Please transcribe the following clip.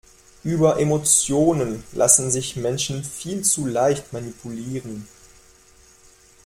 Über Emotionen lassen sich Menschen viel zu leicht manipulieren.